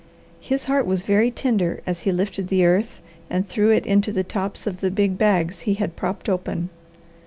His heart was very tender as he lifted the earth, and threw it into the tops of the big bags he had propped open.